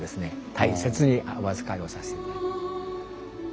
大切にお預かりをさせて頂いて。